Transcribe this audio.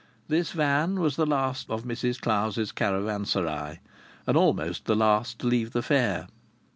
This van was the last of Mrs Clowes's caravanserai, and almost the last to leave the Fair.